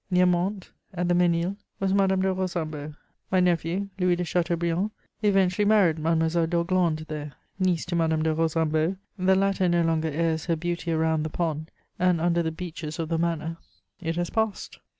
Near Mantes, at the Ménil, was Madame de Rosanbo: my nephew, Louis de Chateaubriand, eventually married Mademoiselle d'Orglandes there, niece to Madame de Rosanbo; the latter no longer airs her beauty around the pond and under the beeches of the manor: it has passed.